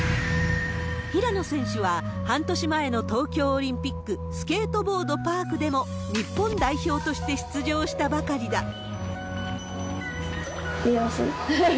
平野選手は、半年前の東京オリンピックスケートボードパークでも、日本代表として出場したばかりだ。